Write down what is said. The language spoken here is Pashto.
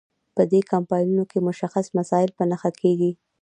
په دې کمپاینونو کې مشخص مسایل په نښه کیږي.